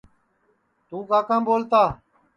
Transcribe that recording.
توں کاکام ٻولتا